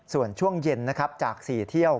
ส่วนช่วงเย็นจาก๔เที่ยว